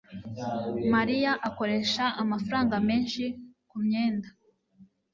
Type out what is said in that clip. Maria akoresha amafaranga menshi kumyenda.